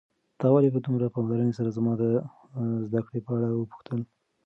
تا ولې په دومره پاملرنې سره زما د زده کړو په اړه وپوښتل؟